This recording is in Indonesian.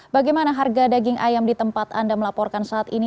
bagaimana harga daging ayam di tempat anda melaporkan saat ini